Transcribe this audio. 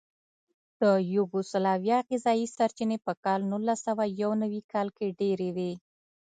د یوګوسلاویا غذایي سرچینې په کال نولسسوهیونوي کال کې ډېرې وې.